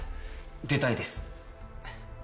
出たいです。